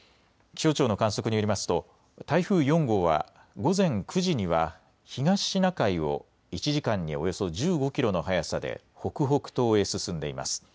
気象庁の観測によりますと台風４号は午前９時には東シナ海を１時間におよそ１５キロの速さで北北東へ進んでいます。